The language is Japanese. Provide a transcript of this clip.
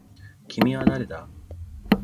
君は誰だ